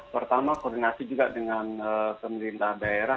pertama koordinasi juga dengan pemerintah daerah